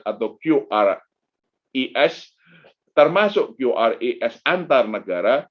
atau qris termasuk qris antar negara